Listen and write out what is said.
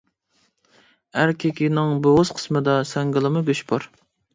ئەركىكىنىڭ بوغۇز قىسمىدا ساڭگىلىما گۆش بار.